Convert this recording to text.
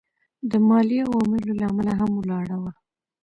د مالي عواملو له امله هم ولاړه وه.